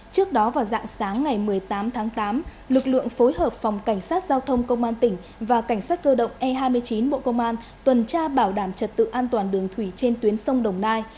trước đó vào dạng sáng ngày một mươi tám tháng tám lực lượng phối hợp phòng cảnh sát giao thông công an tỉnh và cảnh sát cơ động e hai mươi chín bộ công an tuần tra bảo đảm trật tự an toàn đường thủy trên tuyến sông đồng nai